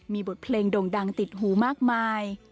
มีบทเพลงโด่งดังติดหูมากมาย